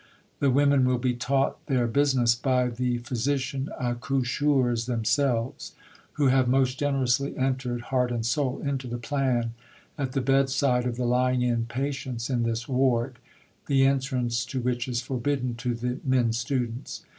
The women will be taught their business by the Physician Accoucheurs themselves, who have most generously entered, heart and soul, into the plan, at the bed side of the Lying in patients in this ward, the entrance to which is forbidden to the men students.